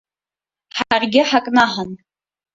Ҳаргьы ҳакнаҳан.